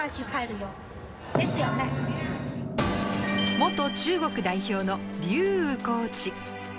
元中国代表のリュウ・ウコーチ。